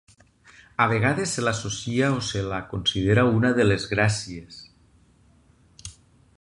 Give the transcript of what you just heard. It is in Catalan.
A vegades se l'associa o se la considera una de les Gràcies.